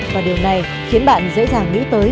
và điều này khiến bạn dễ dàng nghĩ tới